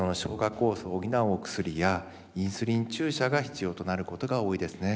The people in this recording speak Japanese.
酵素を補うお薬やインスリン注射が必要となることが多いですね。